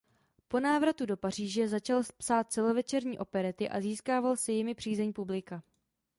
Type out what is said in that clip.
Po návratu do Paříže začal psát celovečerní operety a získával si jimi přízeň publika.